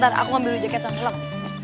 ntar aku ambil dulu jaket sama kelam